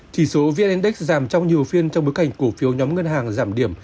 chỉ số vn index giảm trong nhiều phiên trong bối cảnh cổ phiếu nhóm ngân hàng giảm điểm